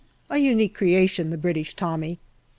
A unique creation, the British Tommy.